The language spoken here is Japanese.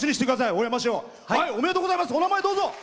お名前、どうぞ。